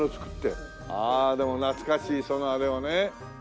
あでも懐かしいそのあれをね。